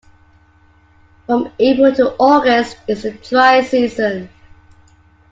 From April to August is the dry season.